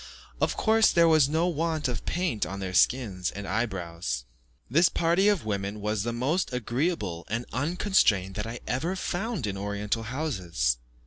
Of course, there was no want of paint on their skins and eye brows. This party of women was the most agreeable and unconstrained that I ever found in Oriental houses.